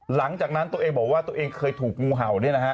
หลังจากนั้นตัวเองบอกว่าตัวเองเคยถูกงูเห่า